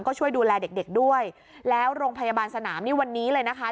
ก็ช่วยดูแลเด็กเด็กด้วยแล้วโรงพยาบาลสนามนี่วันนี้เลยนะคะ